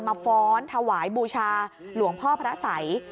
ฟ้อนถวายบูชาหลวงพ่อพระสัย